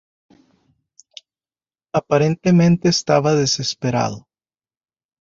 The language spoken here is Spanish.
Aparentemente estaba desesperado.